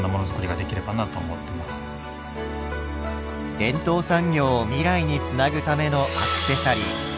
伝統産業を未来につなぐためのアクセサリー。